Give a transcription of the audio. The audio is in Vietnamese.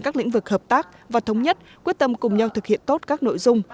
các lĩnh vực hợp tác và thống nhất quyết tâm cùng nhau thực hiện tốt các nội dung